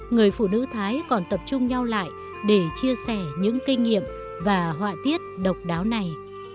người phụ nữ thái còn tập trung nhau lại để chia sẻ những kinh nghiệm và họa tiết độc đáo này